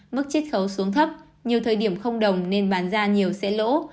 mức chích khấu xuống thấp nhiều thời điểm không đồng nên bán ra nhiều sẽ lỗ